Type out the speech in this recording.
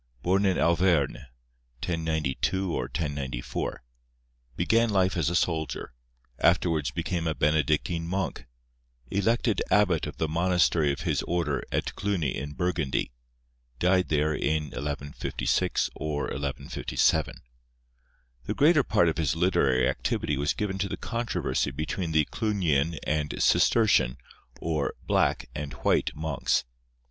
Born in Auvergne, 1092 or 1094; began life as a soldier; afterwards became a Benedictine monk; elected abbot of the monastery of his order at Cluny in Burgundy; died there in 1156 or 1157. The greater part of his literary activity was given to the controversy between the Clugnian and Cistercian, or "black" and "white" monks.